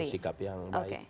itu satu sikap yang baik